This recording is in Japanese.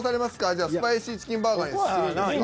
じゃあスパイシーチキンバーガーにするんですか？